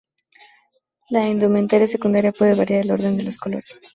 La indumentaria secundaria puede variar el orden de los colores.